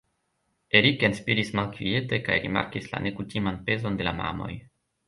Eric enspiris malkviete kaj rimarkis la nekutiman pezon de la mamoj.